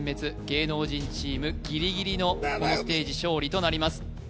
芸能人チームギリギリのこのステージ勝利となります